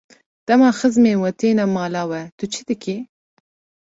Dema xizmên we têne mala we, tu çi dikî?